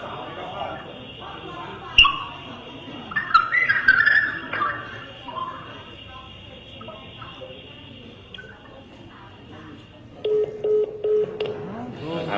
ครับท่านครับผมขอยากตอบคำถามแบบนี้หน่อยนะครับ